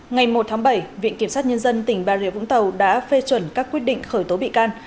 ngày một tháng bảy viện kiểm sát nhân dân tỉnh bà rịa vũng tàu đã phê chuẩn các quyết định khởi tố bị can